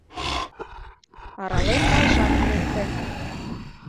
Арален налшат лекте: